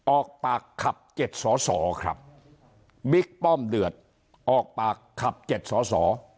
ออกปากขับเจ็ดสอสอครับบิ๊กป้อมเดือดออกปากขับเจ็ดสอสอ